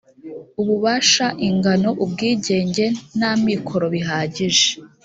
ububasha ingano ubwigenge n amikoro bihagije